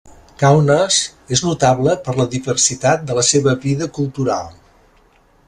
Kaunas és notable per la diversitat de la seva vida cultural.